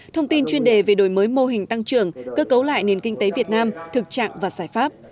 thông tin chuyên đề về đổi mới mô hình tăng trưởng cơ cấu lại nền kinh tế việt nam thực trạng và giải pháp